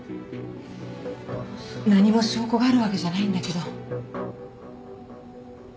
何も証拠があるわけじゃないんだけど。